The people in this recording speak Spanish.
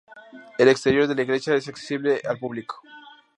El exterior de la iglesia es accesible al público.